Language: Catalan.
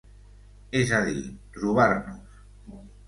És a dir, trobar-nos.